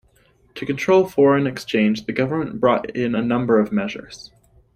To control foreign exchange, the government brought in a number of measures.